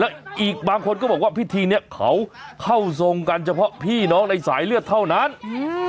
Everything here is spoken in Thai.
แล้วอีกบางคนก็บอกว่าพิธีเนี้ยเขาเข้าทรงกันเฉพาะพี่น้องในสายเลือดเท่านั้นอืม